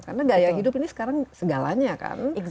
karena gaya hidup ini sekarang segalanya kan